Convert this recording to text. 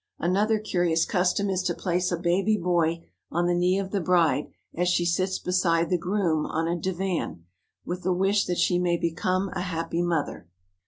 Another curious custom is to place a baby boy on the knee of the bride, as she sits beside the groom on a divan, with the wish that she may become a happy mother.